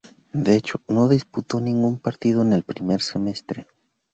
De hecho, no disputó ningún partido en el primer semestre.